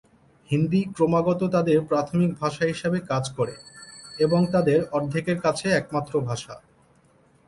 হিন্দি ক্রমাগত তাদের প্রাথমিক ভাষা হিসাবে কাজ করে, এবং তাদের অর্ধেকের কাছে একমাত্র ভাষা।